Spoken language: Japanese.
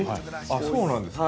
◆そうなんですか。